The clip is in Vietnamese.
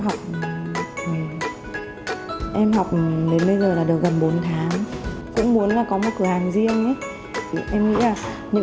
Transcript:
học em học đến bây giờ là được gần bốn tháng cũng muốn là có một cửa hàng riêng thì em nghĩ là những